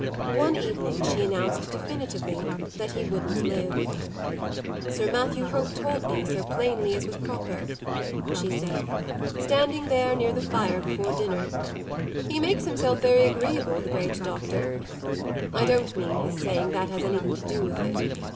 One evening she announced definitely that he wouldn't live. "Sir Matthew Hope told me so as plainly as was proper," she said; "standing there, near the fire, before dinner. He makes himself very agreeable, the great doctor. I don't mean his saying that has anything to do with it.